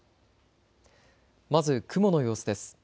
まず雲の様子です。